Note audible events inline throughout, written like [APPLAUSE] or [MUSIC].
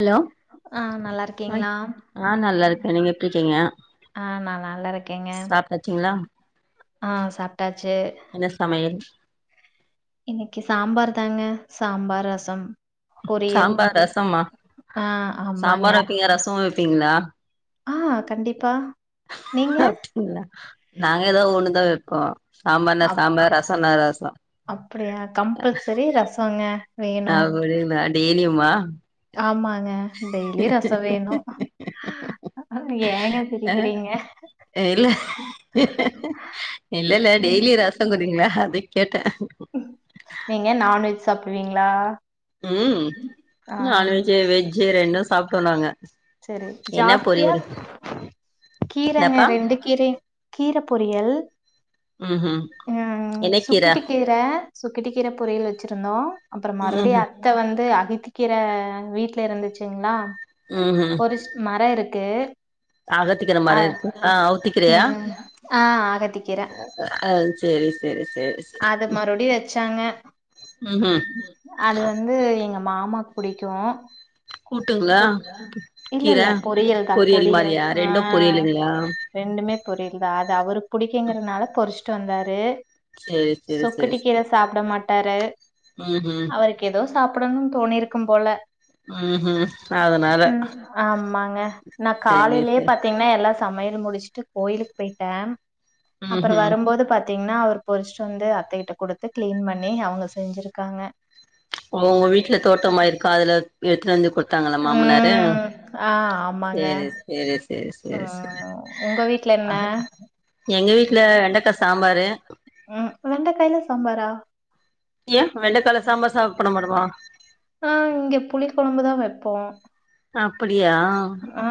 Hello ஆ நல்லா இருக்கீங்களா? ஆ நல்லா இருக்கே நீங்க எப்டி இருக்கீங்க ஆ நா நல்லா இருக்கேங்க சாப்ட்டாச்சுங்களா ஆ சாப்டாச்சு என்ன சமையல் இன்னைக்கு சாம்பார் தாங்க சாம்பார் ரசம் பொரியல் சாம்பார் ரசமா ஆ ஆமாங்க சாம்பார் வைப்பீங்க ரசமு வைப்பீங்களா ஆ கண்டிப்பா நீங்க? அப்டின்னா நாங்க ஏதா ஒண்ணுதா வைப்போ சாம்பார்னா அப் சாம்பார் ரசனோ ரசோ எ ரசோங்க வே அப்டிங்களா டெய்லியுமா ஆமாங்க டெய்லி ரசோ வேணு ஏங்க சி ஆ ரிக்கிறீங்க இல்ல இல்ல இல்ல ம். டெய்லி ரசோங்குறீங்களா அது கேட்ட நீங்க நான்வெஜ் சாப்டுவீங்களா ம் நான்வெஜ்ஜு வெஜ்ஜு ரெண்டு சாப்டுவோ நாங்க செரி என்ன ஜாஸ்தியா பொரியல் என்னப்பா கீரங்க ரெ அந்த கீரை கீர பொரியல் ம் ம் அ சுக்குட்டி கீர சுக்கிட்டி கீர பொரியல் வச்சிருந்தோ அப்றோ ம் மறுபடியு அ த்த வந்து அகத்தி கீர வீட்ல இருந்துச்சுங்ளா ம் பொரிச் மரோ இருக்கு அகத்தி கீர அ மரோ இருக்கு ஆ அவுத்தி கீரையா ம் ஆ அகத்திக்கீர ஆ செரி செரி செரி அது மறுபடியு வச்சாங்க ம்ஹும் அது வந்து எங்க மாமாக்கு புடிக்கு கூட்டுங்களா இல்ல கீர இல்ல பொரியல் தா பொியல் மாரியா ஆ ரெண்டு பொரியலுங்களா ரெண்டுமே பொரியல்தா அது அவரு புடிக்குங்கறனால பொருச்சுட்டு வந்தாரு சேரி சேரி சேரி சொக்கட்டி கீர சேரி சாப்ட மாட்டாரு ம்ஹும் அவருக் ஏதோ சாப்டணும் தோணிருக்கும் போல ம்ஹு ம் ஆமாங்க நா சேரி காலையிலயே சேரி பாத்தீங்கனா எல்லா சமையல் முடிச்சுட்டு கோயிலுக்கு போயிட்டே அப்பறோ ம்ஹும் வரும்போது பாத்தீங்கனா அவரு பொறுச்சிட்டு வந்து அத்தைகிட்ட கொடுத்து க்ளீன் பண்ணி அவுங்க செஞ்சுருக்காங்க உங்க வீட்ல தோட்டமா இருக்கா அதுல எடுத்துட்டு வந்து குடுத்தாங்களா மாமனாரு ம் ஆ ஆமாங்க செரி சேர் சேர் சேர் சேர் ம் உங்க வீட்ல என்ன அத எங்க வீட்ல வெண்டக்கா சாம்பாரு ம் வெண்டக்காயில சாம்பாரா ஏன் வெண்டக்கால சாம்பார் சாப்ட மாட்டோமா ஆ இங்க புளி குழம்புதான் வைப்போம் அப்டியா ஆ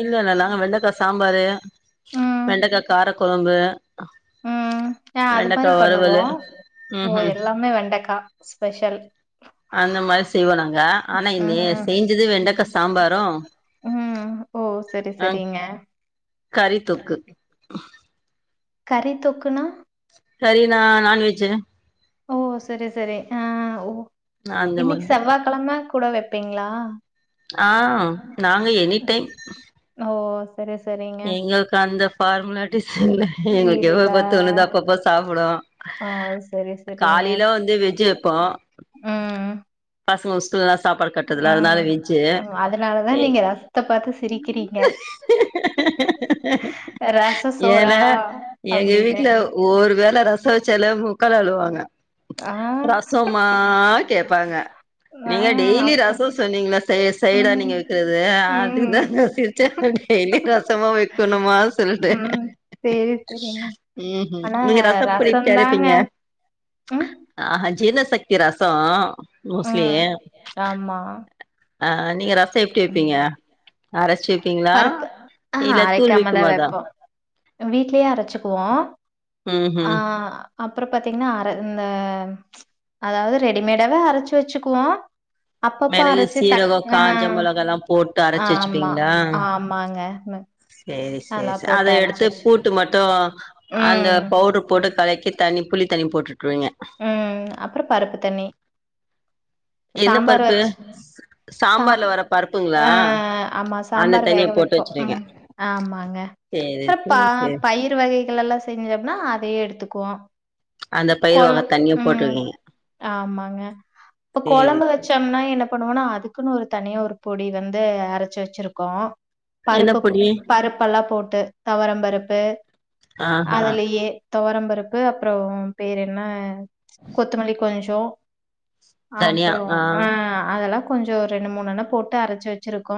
இல்ல இல்ல நாங்க வெண்டைக்காய் சாம்பாரு ம் வெண்டைக்காய் காரக்குழம்பு ம் ஏ அது மாரி வறுவலு பண்ணுவோம் ஓ ம்ஹும் எல்லாமே வெண்டைக்கா ஸ்பெஷல் அந்த மாரி செய்வோம் நாங்க ஆனா நே ம் செஞ்சது வெண்டக்க சாம்பாரும் ம் ஓ சரி சரிங்க கறி தொக்கு கறி தொக்குனா கறினா நான்வெஜ் ஓ சரி சரி ஆ ஓ அந்த இன்னிக்கு மாதிரி செவ்வாய்கிழமை கூட வைப்பீங்களா ஆ நாங்க எனி டைம் ஓ சரி சரி எங்களுக்கு அந்த ஃபார்முலாட்டிஸ் இல்ல எங்களுக்கு இல்ல. எப்பப்ப ஒணுதோ அப்பப்ப சாப்புடுவோ ஆ சரி சரிங்க காலையில வந்து வெஜ் வெப்போ ம் பசங்க ஸ்கூலலா சாப்பாடு கட்டதுல அதனால ம். வெஜ்ஜி ம். அதனால தான் நீங்க ரசத்த பார்த்து சிரிக்கிறீங்க. ரச சோறா? ஏன்னா எங்க அப்படின்னு. வீட்ல ஒருவேலை ரஸ் வச்சலே மூக்கால அழுவாங்க ஆ, ரசமா கேட்பாங்க ஆ நீங்க டெய்லி அப்ப ரஸ் ஸோ சொன்னீங்களா சை சைடா ம், நீங்க வைக்கிறது அதுதான் ம், சிரிச்ச டெய்லி ரசமா வைக் கணுமா சொல்ட்டு சேரி சேரி ம் ம் நீங்க ரசப்பொடி எப்டி தாங்க அறைப்பீங்க ம், ஆஹா ஜீர்ணசக்தி ரசோ மோஸ்லி ம். ஆமா ஆ நீங்க ரசம் எப்டி வைப்பீங்க அரைச்சு வைப்பீங்களா பருப்பு இல்ல தூள் விக்குமே அதா வீட்லே அரைச்சிக்குவோம் ம் ம் அப்புறம் பாத்தீங்கன்னா அர இந்த அதாவது ரெடிமேடாவே அரைச்சு வச்சுக்குவோம் அப்பப்பா மிளகு அரச்சி த சீரகோ காஞ்ச மிளகால்லாம் போட்டு அரைச்சு வச்சுப்பீங்களா ஆமாங்க சேரி சேரி அதெல்லாம் சேரி அத போட்டு அரைச்சு எடுத்து வச்சு போட்டு மட்டும் அந்த ம், பவு போட்டு கலக்கி தனி புளி தண்ணி போட்டுட்ருவீங்க ம் அப்பறம் பருப்பு தண்ணி என்ன சாம்பார் பருப்பு வச்சு சா சாம்பார்ல வர பருப்புங்களா ஆ ஆமா அந்த சாம்பார் தண்ணிய வேக போட்டு வைப்போம் வச்சிருக்கே ம் ஆமாங்க சேரி சேரி சேர் ட்டு வகைகள் எல்லாம் செஞ்ச அப்னா அதையே எடுத்துக்குவோ அந்த பயிர் கொழ வக தண்ணிய ம் போட்டுருக்கீங்க ஆமாங்க இப்ப சேரி குழம்பு சேரி வச்சோம்னா என்ன பண்ணுவோனா அதுக்குன்னு ஒரு தனியா ஒரு பொடி வந்து அரைச்சு வச்சிருக்கோம் என்ன பருப்பு பொடி பருப்பெல்லாம் போட்டு தொவரம் பருப்பு ஆஹா அதுலயே தொவரம்பருப்பு அப்றோ பேர் என்ன கொத்தமல்லி கொஞ்சோ அ தனியா அப்றோ ஆ அ அதெல்லா கொஞ்சோ ரெண்டு மூணன போட்டு அரச்சு வச்சிருக்கோ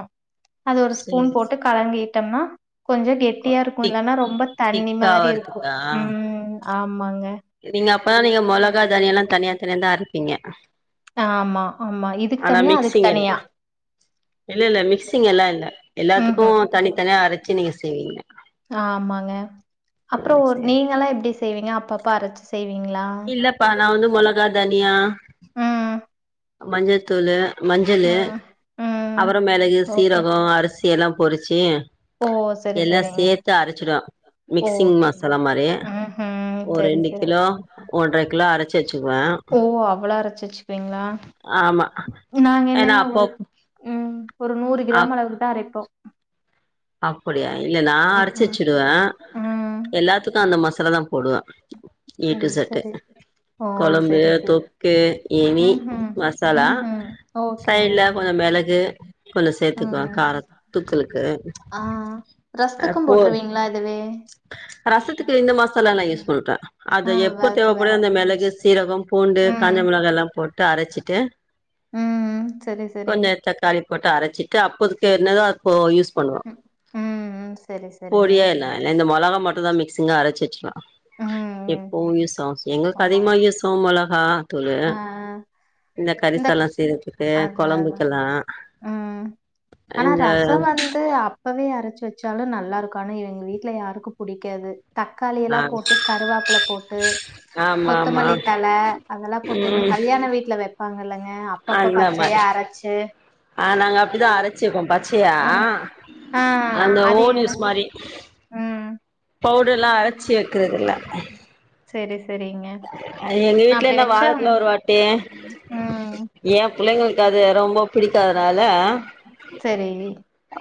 அது ஒரு ஸ்பூன் சேரி போட்டு கலங்கிட்டம்னா கொஞ்ச கெட்டியா இருக்கு திக் இல்லனா ரொம்ப தண்ணி திக்கா மாரி இருக்கும் வரதுக்கா ம் ஆமாங்க நீங்க அப்பதா நீங்க மொளகா தனிய எல்லா தனியா தனியா தா அரப்பீங்க ஆமா ஆமா இதுக்கு ஆனா தனியா அதுக்கு மிக்சிங் இல்ல தனியா இல்ல இல்ல மிக்சிங் எல்லா இல்ல எல்லாத்துக்கு ம்ஹ்ம் தனித்தனியா அரச்சி நீங்க செய்வீங்க ஆமாங்க அப்றோ சேரி சேரி நீங்கல்லா எப்டி செய்வீங்க அப்ப அப்பா அரச்சு செய்வீங்களா இல்லப்பா நா வந்து மொளகா தனியா ம். மஞ்சத்தூளு மஞ்சளு ம். ம். அப்றோ மெளகு ஓகே. சீரகோ அரிசி த்தி எல்லா பொரிச்சு ஓ! சரி, எல்லா சரிங்க. சேத்து அரச்சிடுவ மிக்சிங் ஓகே. மசாலா மாரி ம். ம்ஹ்ம். ஒரு சரி, ரெண்டு சரி. கிலோ ஒன்ற கிலோ அரச் சச்சுவே ஓ அவ்ளோ அரச்சி வச்சுபீங்களா ஆமா நாங்க ஏன்னா என்னங்க ஒரு அப்பப் ம் ஒரு நூறு கிராம் அளவுக்கு தா அரைப்போ அப்டியா இல்ல நா அரச்சி ம்ஹ்ம். வச்சிருவ ம். எல்லாத்துக்கு அந்த மசாலா தா போடுவ ஓ! ஈட்டு சட்டு சரி. ஓ! கொழம்பு சரி, சரி. தொக்கு எனி ம்ஹ்ம். மசாலா ம்ஹ்ம். ஓகேங்க. சைட்ல கொஞ்ச மெளகு கொஞ்ச சேத்துக்குவ ம். கார தூக்கலுக்கு ஆ ரசத்துக்கு போட்டுருவீங்களா இதுவே ரச க்கு இந்த மசாலா யூஸ் பண்ற ஆ அது எப்ப வறுக்க தேவப்படு வேற. அந்த மெளகு சீரகோ பூண்டு காஞ்ச ம். ல்லா போட்டு அரச்சிட்டு ம். சரி, சரி. கொஞ்ச தாலி போட்டு அரச்சிட்டு அப்போதுக்கு என்னதோ போ யூஸ் பண்ணுவோ ம். ம். சரி, சரிங்க. பொடியா என்ன இந்த மொளகா மட்டு தா மிக்சிங்கா அரச்சிவச்க்லா ம். எப்பவு யூஸாவு ஓ! எங்களுக்கு அதிகமா யூஸ் ஆ மொளகா தூளு ஆ. இந்த கரிச எல்லா செய்றதுக்கு அதான், அதான். கொழம்புக்கெல்லா ம். ஆனா இந்த ரச வந்து அப் இப்பவே அரச்சு வச்சாலு நல்லா இருக்கு ஆனா இவ எ வீட்ல யாருக்கு புடிக்காது தக்காளியெல்லா ஆ போட்டு கருவாப்ல போட்டு ஆமா ஆமா கொத்தமல்லி தழ அதெல்லா போட்டு இந்த ம் கல்யாண வீட்ல வப்பாங்க இல்லங்க அப்பப்ப அந்த மாரி பச்சையா அரச்சு ஆ நாங்க அப்டிதா அரச்சிக்கோ பச்சையா ஆ ம். ஆ அந்த அது ஓன் என யூஸ் மாரி ம் பவுடர்லா அரச்சி வைக்கறதில்ல சரி சரிங் அ எங்க வீட்ல என்ன வாரத்துல ஒருவாட்டி ம். ஏ புள்ளைங்களுக்கு அது ரொம்ப புடிக்காதனால சரி.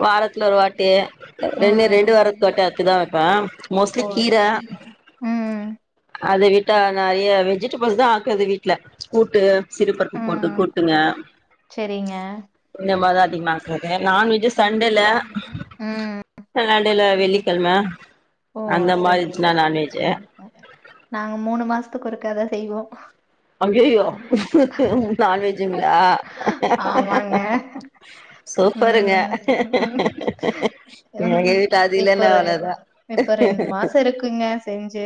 வாரத்துல ஒரு வாட்டி ரெண்டு ம். ரெண்டு வாரத்து ஒட்ட அத்துதா வப்பஅ ஓ சரி சரி ம் அத விட்டா நெறைய வெஜிடபிள்ஸ் தா ஆக்குது வீட்ல கூட்டு சிறு பருப்பு போட்டு ம். கூட்டுங்க சரிங்க இந்த மாரிதா அதிகமா ஆக்குறது நான்வெஜ் ம் நண்டில்ல வெள்ளிக்கிழம ஓ! அந்த மாரி சரி. இச்சுன்னா நான்வெஜ்ஜூ ஓகே. நாங்க மூணு மாசத்துக்கு இருக்காதா செய்வோ அய்யய்யோ நான்வெஜ்ஜுங்ளா ஆமாங்க சூப்பருங்க ம் எங்க வீட்ல அது இல்லனா அவ்ளதா இப்ப ரெண்டு மாச இருக்குங்க செஞ்சு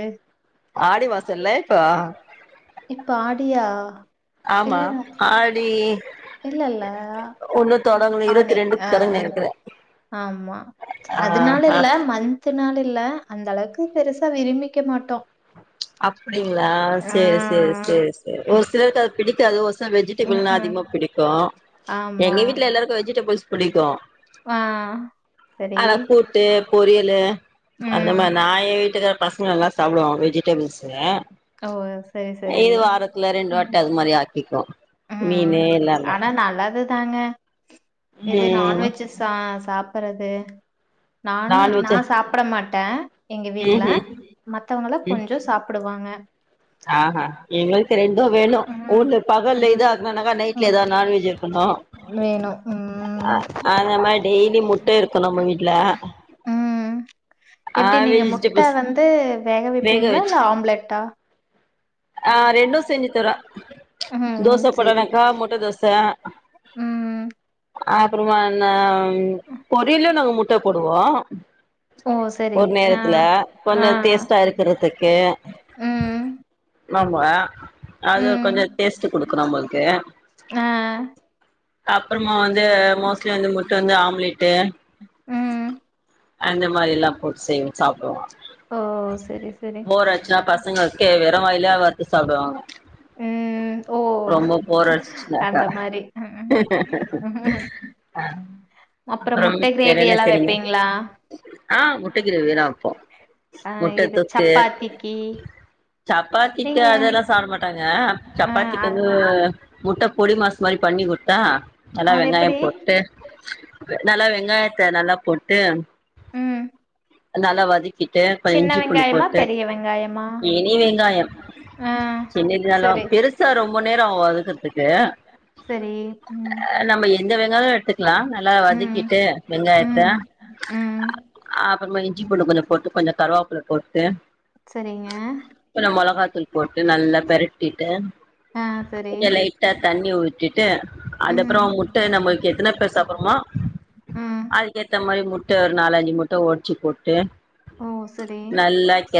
ஆடி மாச இல்ல இப்ப ஆ இப்ப ஆடியா ஆமா ஆடி இல்ல இல்ல ஒன்னு தொடங்கல ஆனி இருவத்தி ஆ ரெண்டுக்கு தொடங்க ஆ நெனைக்கிறே ஆமா ஆ அதனால ஆ இல்ல மண் த்து நாள் இல்ல அந்த அளவுக்கு பெருசா விரும்பிக்க மாட்டோ அப்டிங்களா ஆ சேரி சேரி சேரி சேரி ஒரு சிலருக்கு அது பிடிக்காது ஒரு ம் வெஜிடபிள்னா ம் அதிகமா பிடிக்கு ஆமா எங்க வீட்ல எல்லாருக்கு வெஜிடபிள்ஸ் பிடிக்கு ஆ சரி ஆனா கூட்டு பொரியலு அந்த ம் மா நா ஏ வீட்டுக்கா பசங்கல்லா சாப்டுங் வெஜிடபிள்ஸ்சு ஓ சரி சரி இது வாரத்துல ரெண்டு வாட்ட அது மாரி ஆக்கிக்குவோ ம் மீனு எல்லாமே ஆனா நல்லதுதாங்க இது ம் நான்வெஜ்சஸ் ச சாப்பறது நானு நா நான்வெஜ்ஜு சாப்ட மாட்டே எங்க வீட்ல ம்ஹூம் மத்தவங்கள ம் கொஞ்சோ சாப்டுவாங்க ஆஹா எங்களுக்கு ரெண்டு வேணு ம் ஊர்ல பகல்ல ம் இத [UNINTELLIGIBLE] நைட்ல ம் ஏதா நான்வெஜ் இருக்கணு வேணு ம் அந்த மாரி டெய்லி முட்ட இருக்கு நம்ம வீட்ல ம் ஆ எப்டி நீங்க முட்ட வெஜிடபிள்ஸ் வந்து வேக வைப்பீங்ளா இல்ல ஆம்லெட்டா ஆ ரெண்டு செஞ்சு தருவே ம் தோச ம் செரி போட்டேனாக்க முட்ட தோச ம் அப்பறமா என்ன ம் பொரில்யு நம்ம முட்ட போடுவோ ஓ செரி ஒரு ஆ நேரத்துல ஆ கொஞ்ச டேஸ்டா இருக்கிறதுக்கு ம் ஆமா அது ம் கொஞ்சோ டேஸ்ட்டு குடுக்கு நம்ளுக்கு ஆ அப்பறமா வந்து மோஸ்ட்லி வந்து முட்ட வந்து ஆம்லேட்டு ம் அந்த மாரி எல்லா போட்டு செய்வோ சாப்டுவோ ஓ செரி செரி [UNINTELLIGIBLE] வெர வாய்லே அது வருத்து சாப்டுவாங்க ம் ஓ ரொம்ப போறடிச்சிச்சுனாக்கா அந்த மாரி ம் அப்பற முட்ட கிரேவி எல்லா வைப்பீங்ளா ஆ முட்ட க்ரேவி வேணா வப்போ ஆ முட்ட இது சப்பாத்திக்கி சப்பாத்திக்கி அதெல்லா சாப்பட மாட்டாங்க ஆ சப்பாத்திக்கு அ- வந்து முட்ட பொடி மாஸ் மாரி பண்ணி குடுத்தா நல்லா அது எப்படி வெங்காயம் போட்டு நல்லா வெங்காயத்த நல்லா போட்டு ம் நல்லா வதக் கிட்டு அப்ப சின்ன இஞ்சி பூண்டு வெங்காயமா போட்டு பெரிய வெங்காயமா இனி வெங்காயம் ஆ சென் இருந்தாலும் சரி பெருஸ் சா ரொம்ப நேரோ ஆவு வதக்கற்திக்கு செரி ம் எந்த வெங்காய எட்துக்கலா நல்லா ம் வதக்கிட்டு வெங்காயத்த ம் ம் அப் அப்றமா இஞ்சி பூண்டு கொஞ்சோ போட்டு கொஞ்சோ கருவாப்புள்ள போட்டு சரிங்க ம் மொளகாத்தூள் போட்டு நல்லா பெரட்டிட்டு ஆ சரி கொஞ்சோ லைட்டா தண்ணி ஊத்திட் டு ம் அதுப்புறோ முட்ட நம்மளுக்கு எத்தனை பேர் சாப்புட்ரோமோ ம் அதுக்கேத்த மாரி முட் ட ஒரு நாலஞ்சு முட்ட ஒடச்சு போட்டு ஓ சரி நல்லா கெ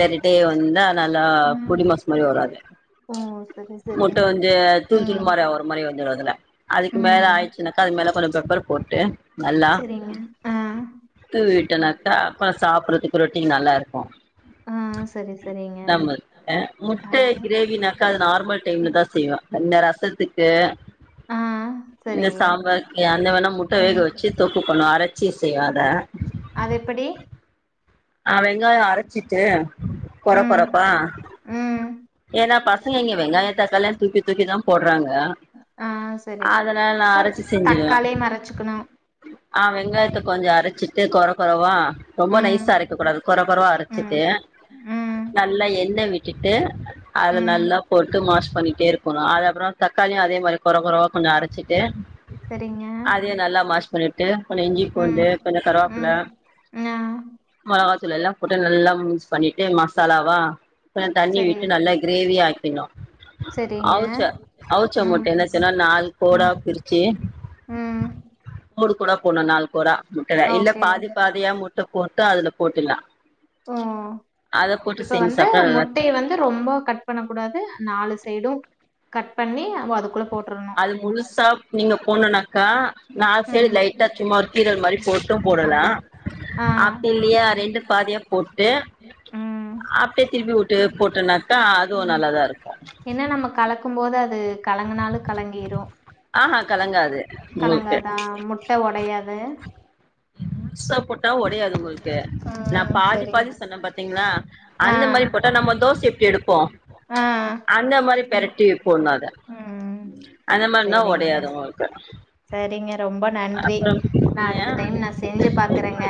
ளரிட்டே வந்த நல்லா ம் பொடிமாஸ் மாரி வரு அது ஓ சரி சரி முட்ட வந்து தூள் தூள் ம் மாரி ஒரு மாரி வந்துடு அதுல அதுக்கு மேல ம் ஆய்ச்சுனாக்கா அது மேல கொஞ்சோ பெப்பர் போட்டு நல்லா சரிங்க அ னாக்கா அப்றோ சாப்புட்றதுக்கு ரொட்டிக்கு நல்லா இருக்கு ஆ சேரி சாப்பாரு [UNINTELLIGIBLE] முட்ட க்ரேவி நா அது நார்மல் டைம்ல தா செய்வே இந்த ரசத்துக்கு ஆ இந்த சரி சாம்பார் அந்த வேணா முட்ட ம் வேக வச்சு தொக்கு பண்ணுவே அரச்சி செய்வ அத அது எப்டி அ வெங்காயோ அரச்சிட்டு கொற ம் கொறப்பா ம் ஏனா பசங்க இங்க வெங்காய தக்காளிளா தூக்கி தூக்கி தா போட்றாங்க ஆ சரி அதனால நா அரச்சி செஞ்சிருவே தக்காளிய மறச்சுக்கணு அ வெங்காயத்த கொஞ்சோ அரச்சிட்டு கொற கொறவா ரொம்ப ம் நைசா அரை க்ககூடாது கொற கொறவா ம் அரச்சிட்டு ம் நல்லா எண்ணெ விட்டுட்டு அது ம் நல்லா போட்டு மாஷ் பண்ணிட்டேருக்குணு அது அப்றோ தக்காளியு அதே மாரி கொற கொறவா கொஞ்சோ அரச்சிட்டு சரிங்க அதையு நல்லா மாஷ் பண்ணிட்டு கொஞ்சோ இஞ்சி ம் பூண்டு கொஞ்சோ கருவப்புல்ல ம் ஆ மொளகாதூள் எல்லா போட்டு நல்லா மிக்ஸ் பண்ணிட்டு மசாலாவா கொஞ்சோ தண்ணி சரி விட்டு நல்லா கிரேவி ஆக்கிணு சரிங்க அவுச்ச அவுச்ச ம் முட்டய என்ன செய்னு நாலு கோடா ம் பிரிச்சு ம் கோடு கோடா போனு நாள் கோரா முட்டய்ல இல்ல ஓகே பாதி பாதியா முட்ட போ ட்டுல்லா அதுல போட்டுலா ஓ அத போட்டு இப்ப செஞ்சு வந்து சாப்ட்டா நல்லா முட்டைய வந்து ரொம்ப கட் பண்ணக்கூடாது நாலு சைடு கட் பண்ணி அதுக்குள அது முழுசா நீங்க போனுனாக்கா நால் சைடு ம் லைட்டா சும்மா ஒரு கீரல் மாரி போட்டு ஆ போட்லா ஆ அப்டி இல்லியா ரெண்டு பாதியா போட்டு ம் அப்டியே திருப்பி வுட்டு போட்டனாக்கா அதுவு நல்லாதாருக்கு என்ன நம்ம கலக்கு போது அது கலங்குனாலு கலங்கிரு ஆஹா கலங்காது உங்களுக்கு கலங்காதா முட்ட ஒடையாது முழுசா போட்டா ஒடையாது உங்கள்க்கு நா ம் பாதி சரி பாதி சொன்னே பாத்திங்ளா ஆ அந்த மாரி போட்டா நம்ம தோச எப்டி எடுப்போ ஆ அந்த மாரி ம் பெரட்டி போட்னு அத அந்த மார்னா சரிங்க ஒடையாது உங்கள்க்கு சரிங்க ரொம்ப நன்றி நா அடுத்த டைம் நா செஞ்சு பாக்றேங்க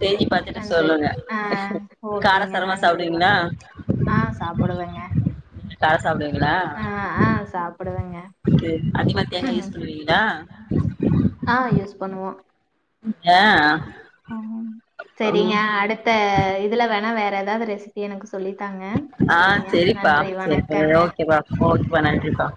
செஞ்சு பாத்துட்டு நன்றி சொல்லுங்க அ ஓகேங்க காரசாரமா நன்றி சாப்டுவீங்களா ஆ சாப்டுவேங்க காரோ சாப்டுவீங்ளா சாப்புடுவேங்க அது அதிகமா தேங்கா யூஸ் பண்ணு வீங்லா ஆ யூஸ் பண்ணுவோ ஆ ஆம் செரிங்க ம் அடுத்த இதுல வேணா வேற எதாது ரெசி எனக்கு சொல்லித்தாங்க ஆ செரிங்க சரிப்பா நன்றி சரிப்பா வணக்கங்க ஓகேப்பா ஓகேப்பா நன்றிப்பா